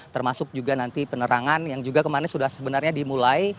termasuk juga nanti penerangan yang juga kemarin sudah sebenarnya dimulai